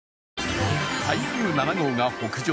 台風７号が北上。